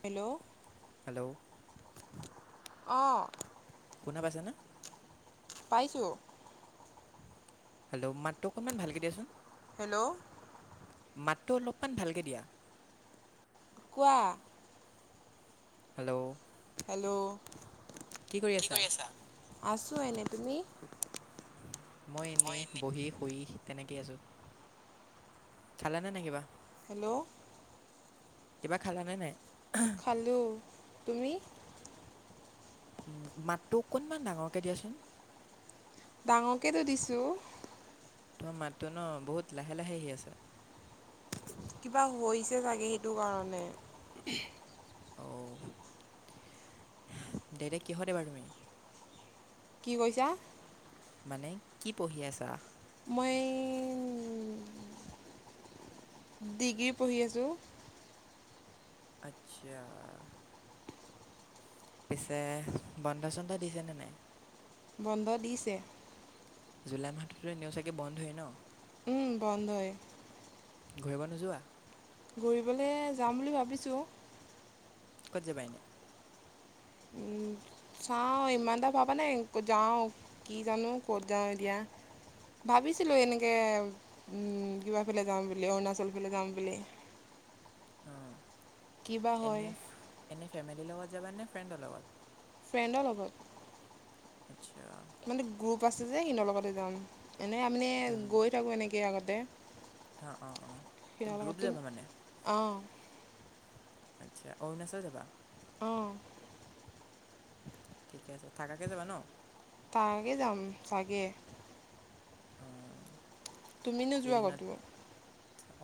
Hello hello অঁ শুনা পাইছেনে? পাইছো। হেল্ল' মাতটো অকনমান ভালকেই দিয়াচোন। হেল্ল' মাতটো অলপমান ভালকৈ দিয়া। কোৱা। হেল্ল' হেল্ল' কি কৰি আছা? আছো এনে তুমি? মই এনেই বহি শুই তেনেকেইে আছোঁ খলানে নাই কিবা? হেল্ল' কিবা খালা নে নাই? খালোঁ তুমি? উ মাতটো অকণমান ডাঙৰকে দিয়াচোন। ডাঙৰকেতো দিছো। তোমাৰ মাতটো ন বহুত লাহে লাহে আহি আছে কিবা হৈছে চাগে সেইটো কাৰণে। অ দে দে কিহত এইবাৰ তুমি? কি কৈছা? মানে কি পঢ়ি আছা? মই ডিগ্ৰী পঢ়ি আছোঁ। আচ্ছা। পিছে বন্ধ চন্ধ দিছেনে নাই? বন্ধ দিছে। জুলাই মাহটোতো এনেও চাগে বন্ধয়ে ন? বন্ধ হয়। ঘূৰিব নোযোৱা? ঘূৰিবলৈ যাম বুলি ভাবিছোঁ। কত যাবা এনে। উম। চাওঁ ইমান এটা ভাবা নাই ক'ত যাওঁ কি জানো ক'ত যাওঁ এতিয়া। ভাবিছিলোঁ এনেকৈ কিবা ফালে যাম বুলি, অৰুণাচল ফালে যাম বুলি। অ কি বা হয় এনে, এনে ফেমিলিৰ লগত যাবা নে ফ্ৰেণ্ডৰ লগত। ফ্ৰেণ্ডৰ লগত। আচ্ছা মানে গ্ৰুপ আছে যে সিনৰ লগতে যাম এনেই আমি উম গৈ থাকোঁ এনেকে আগতে। অঁ অঁ অঁ গ্ৰুপ [unintelligible] টো যাবা মানে আহ আচ্ছা অৰুণাচল যাবা। অঁ ঠিকে আছে থাকাকে যাবা ন। থকাকে যাম ছাগে। অহ তুমি নোযোৱা কতো?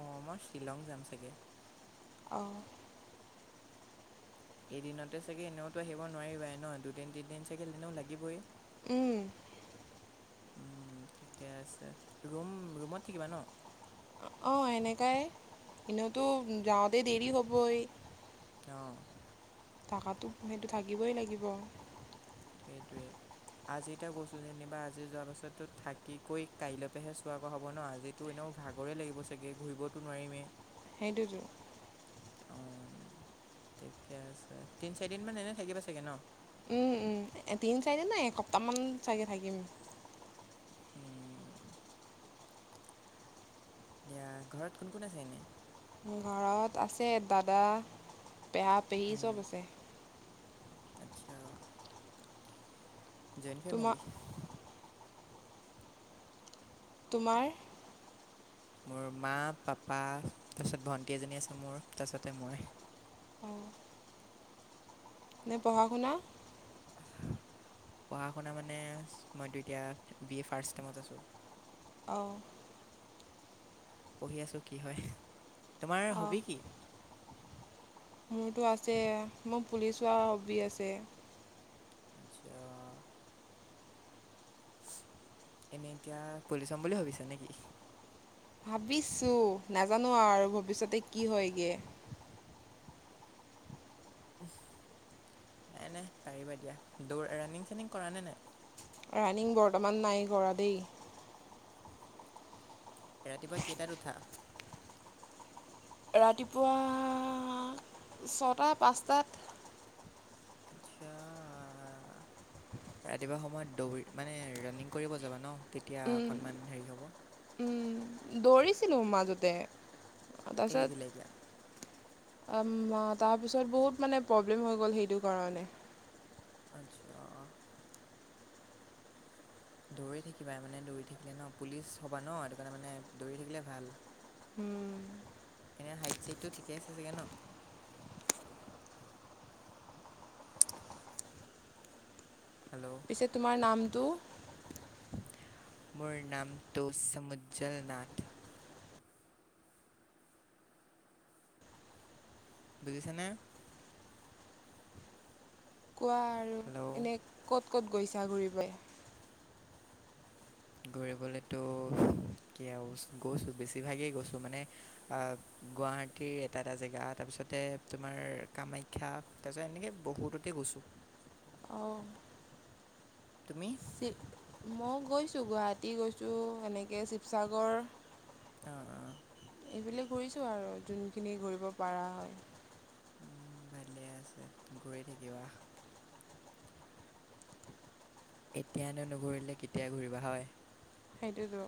অঁ মই শ্বিলং যাম চাগে। অহ এদিনতে চাগে এনেওতো আহিব নোৱাৰিবাই ন দুদিন তিনদিন চাগে এনেও লাগিবই উম উম ঠিকে আছে ৰুম ৰুমত থাকিবা ন অঁ এনেকাই এনেওতো যাওঁতে দেৰি হ'বই অহ থকাটো সেইটো থাকিবই লাগিব সেইটোৱেই আজি এতিয়া গৈছো যেনিবা আজি যোৱাৰ পাছতো থাকি কৈ কাইলৈ পৰাহে চোৱাকৈ হ'ব ন আজিতো এনেও ভাগৰে লাগিব চাগে ঘূৰিবতো নোৱাৰিমেই সেইটোৱে টো অ ঠিকে আছে তিন চাৰি দিন মান এনে থাকিবা চাগে ন উম উম তিনি চাৰিদ নাই এসপ্তাহমান চাগে থাকিম এতিয়া দিয়া ঘৰত কোন কোন আছে এনেগ ঘৰত আছে দাদা, পেহা-পেহী উম, চব আছে আচ্ছা জইণ্ট ফেমেলি তোমাৰ তোমাৰ মোৰ মা পাপা তাৰপিছত ভণ্টি এজনী আছে মোৰ তাৰপিছতে মই মানে পঢ়া শুনা পঢ়া শুনা মানে মইতো এতিয়া বি এ ফাৰ্ষট চেমট আছোঁ অ পঢ়ি আছো কি হয় তোমাৰ অঁ হবি কি? মোৰতো আছে মোৰ পুলিচহোৱা হবি আছে আচ্ছা এনেই এতিয়া পলিচ সম বুলি ভাবিছা নেকি? ভাবিছোঁ নাজানো আৰু ভৱিষ্যতে কি হয়গে। নাই নাই পাৰিবা দিয়া দৌৰ ৰানিং সানিং কৰা নে নাই? ৰানিং বৰ্তমান নাই কৰা দেই ৰাতিপুৱা কেইটাত উঠা ৰাতিপুৱা ছটা পাঁচটাত আচ্ছা ৰাতিপুৱা সময়ত দৌৰি মানে ৰানিং কৰিব যাবা ন তেতিয়া অকনমান হেৰি হ'ব। দৌৰিছিলো মাজতে এৰি দিলে এতিয়া। উম অ তাৰপিছত বহুত মানে প্ৰব্লেম হৈ গ'ল সেইটো কাৰণে। আচ্ছা। দৌৰি থাকিবা মানে দৌৰি থাকিলে ন পুলিচ হবা ন সেইটো কাৰণে মানে দৌৰি থাকিলে ভাল। উম। এনে হাইট চাইডটো ঠিকে আছে চাগে ন। হেল্ল'। পিছে তোমাৰ নামটো? মোৰ নামটো চমুজ্জল নাথ। বুজিছানে? কোৱা আৰু হেল্ল' এনেই ক'ত ক'ত গৈছা ঘূৰিবই? ঘুৰিবলেতো কি আৰু গৈছো বেছিভাগেই গৈছো মানে অহ। গুৱাহাটীৰ এটা এটা জেগা তাৰপিছতে তোমাৰ কামাখ্যা তাৰপিছত এনেকৈ বহুততে গৈছো। অহ। তুমি? মই গৈছোঁ গুৱাহাটী গৈছোঁ এনেকে শিৱসাগৰ অঁ অঁ এইবিলাক ঘূৰিছোঁ আৰু যোনখিনি ঘূৰিব পাৰা হয়। উম ভালে আছে ঘূৰি থাকিবা। এতিয়ানো নুঘূৰিলে কেতিয়া ঘূৰিবা হয়। সেইটোতো।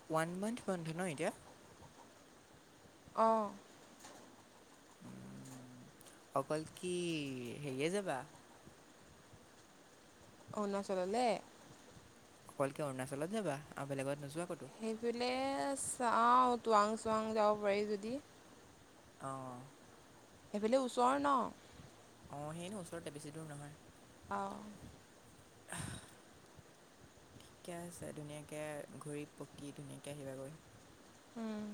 ওৱান মান্থ বন্ধ ন এতিয়া? অ। উ অকল কি হেৰিয়ে যাবা? অৰুণাচললে অকল কি অৰুণাচলত যাবা আৰু বেলেগত নোযোৱা? ক'তো সেইফালে চাওঁ টুৱাং চুৱাং যাব পাৰি যদি। অ। এইফালে ওচৰ ন। অ সেইটো ওচৰতে বেছি দূৰ নহয়। অ। [inaudible] ঠিকে আছে ধুনীয়াকে ঘূৰি পকি ধুনীয়াকে আহিবাগৈ। উম।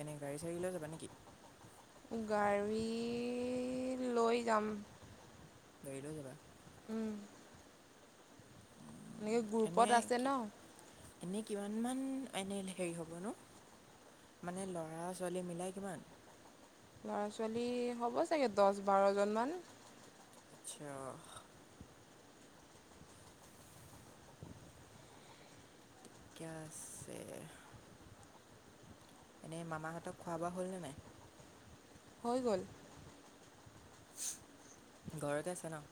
এনেই গাড়ী চাড়ী লৈ যাবা নেকি? গাড়ী লৈ যাম। গাড়ী লৈ যাবা। উম! এনে এনে গ্ৰুপত আছে কি ন। এনেই কিমানমান এনেই হেৰি হ'ব নো? মানে ল'ৰা -ছোৱালী মিলাই কিমান? ল'ৰা -ছোৱালী হ'ব চাগে দচ বাৰজনমান। আচ্ছা। ঠিকে আছে। এনেই মামাহঁতক খোৱা বোৱা হ'লনে নাই। হৈ গ'ল। ঘৰতে আছে ন।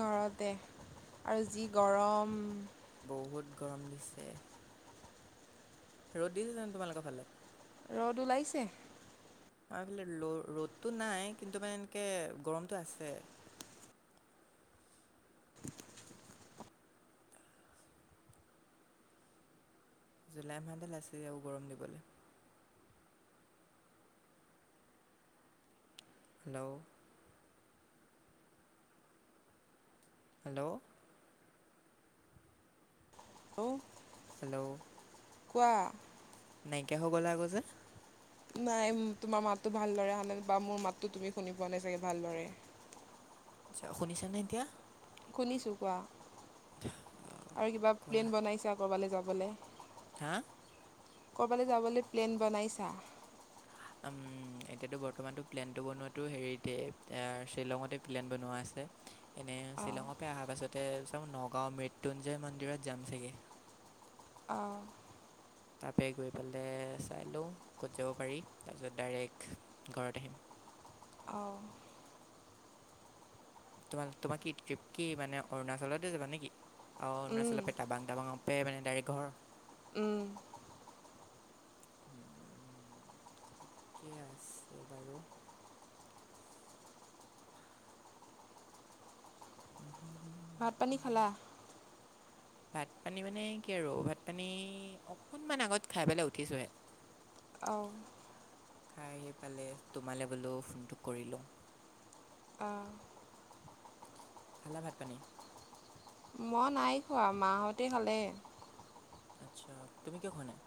ঘৰতে আৰু যি গৰম। বহুত গৰম দিছে ৰ'দ দিছে জানো তোমালোকৰ ফালে? ৰ'দ ওলাইছে। আমাৰ ফালে ৰ'দতটো নাই কিন্তু মানে এনেকে গৰমতটো আছে। জুলাই মাহদাল আছে আৰু গৰম দিবলৈ। হেল্ল' হেল্ল' হৌ হেল্ল' কোৱা নাইকিয়া হৈ গ'লা গৈ যে? নাই তোমাৰ মাতটো ভালদৰে অহা নাই বা মোৰ মাততো তুমি শুনি পোৱা নাই চাগে ভালদৰে। [inaudible] আচ্ছা শুনিছা নে এতিয়া? শুনিছোঁ কোৱা আৰু কিবা কোৱা প্লেন বনাইছা ক'ৰবালৈ যাবলে? হা? ক'ৰবালৈ যাবলে প্লেন বনাইছা? উম এতিয়াতো বৰ্তমানতটো প্লেন টো বনোৱাটো হেৰিতে শ্বিলঙতে প্লেন বনোৱা আছে হে এনে অঁ শ্বিলঙৰ পৰা অহা পাছতে চব নগাঁওৰ মৃত্যুঞ্জয় মন্দিৰত যাম চাগে। আহঁ তাপে গৈ পেলাই চাই লওঁ ক'ত যাব পাৰি তাৰপিছত ডাইৰেক্ট ঘৰত আহিম। অ তোমাৰ তোমাৰ কি ট্ৰিপ কি মানে অৰুণাচলতে যাবা নেকি অ অৰুণাচলৰ টাবাং টাবাং পে মানে ডাইৰেক্ট ঘৰ উম থিকে আছে বাৰু [inaudible] ভাত পানী খালা? ভাত পানী মানে কি আৰু ভাত পানী অকনমান আগত খাই পেলাই উঠিছোহে। অ খাই আহি পেলে তোমালৈ বোলে ফোনটো কৰি লওঁ আহঁ খালা ভাত পানী? মই নাই খোৱা মাহঁতে খালে। আচ্ছা তুমি কিয় খোৱা নাই?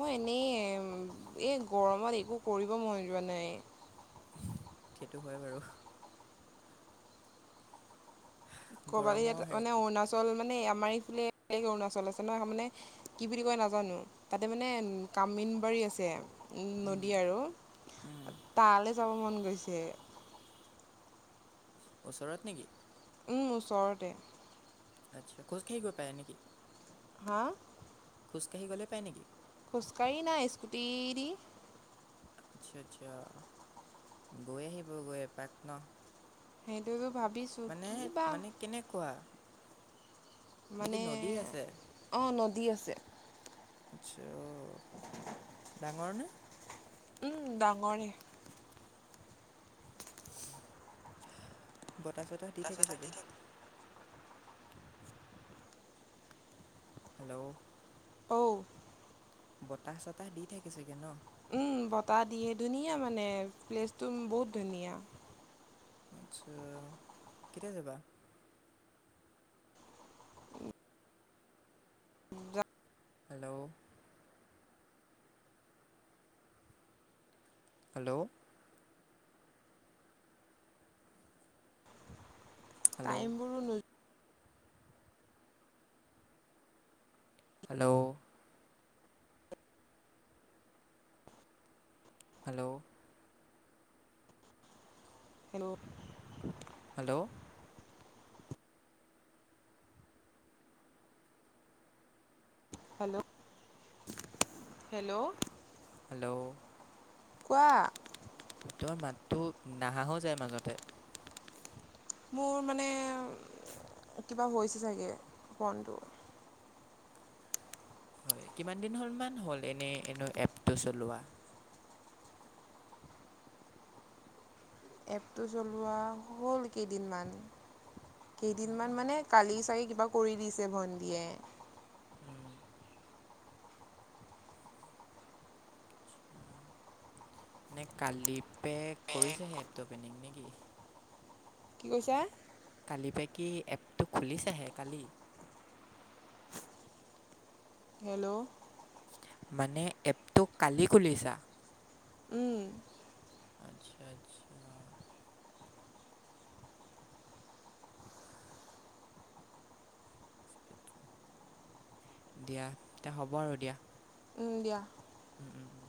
মই এনেই এ গৰমত একো কৰিব মন যোৱা নাই। সেইটো হয় বাৰু। ক'বালে ইয়াত গৰমৰ হেৰি মানে অৰুণাচল মানে মানে আমাৰ এইফালে বেলেগ অৰুণাচল আছে নহ মানে কি বুলি কয় নাজানো তাতে মানে কাম ন বাৰী আছে উম নদী আৰু উম তালৈ যাব মন গৈছে ওচৰত নেকি? উম ওচৰতে। আচ্ছা খোজকাঢ়ি গৈ পায় নে কি? হা খোজকাঢ়ি গ'লে পায় নেকি? খোজকাাঢ়ি নাই স্কুটি দি আচ্ছা আচ্ছা গৈ আহিব গৈ এপাক ন? সেইটোতো ভাবিছো মানে কি বা মানে কেনেকুৱা কি মানে নদী আছে অ নদী আছে আচ্ছা ডাঙৰ নে উম ডাঙৰে বতাহ চতাহ দি থাকে চাগে হেল্ল' অ' বতাহ চতাহ দি থাকি চাগে ন উম বতাহ দিয়ে ধুনীয়া মানে প্লেচটো বহুত ধুনীয়া আচ্ছা কেতিয়া যাবা হেল্ল' হেল্ল' হেল্ল' টাইম বোৰো নো hello hello hello hello hello hello hello কোৱা তই মাতটো নাহা হৈ যায় মাজতে মোৰ মানে কিবা হৈছে চাগে ফোনটো হয় কিমান দিন হ'ল মান হল এনে এপটো চলোৱা এপটো চলোৱা হ'ল কেইদিনমান কেইদিনমান মানে কালি চাগে কিবা কৰি দিছে ভণ্টীয়ে উম নে কালি পে কৰিছেহে এপটো অপেনিং নেকি কি কৈছা? কালি পা কি এপটো খুলিছাহে কালি হেল্ল' মানে এপটো কালি খুলিছা? উম আচ্ছা আচ্ছা দিয়া তে হ'ব আৰু দিয়া উম দিয়া উম, উম, উম।